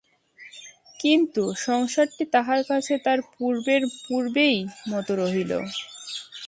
কিন্তু, সংসারটি তাহার কাছে আর পূর্বেই মতো রহিল না।